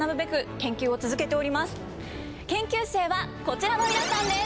研究生はこちらの皆さんです！